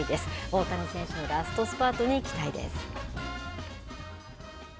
大谷選手のラストスパートに期待です。